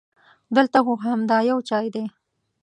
دلته خو همدا یو چای دی.